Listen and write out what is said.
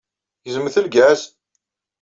Gezmet lgaz!